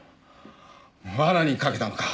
罠にかけたのか。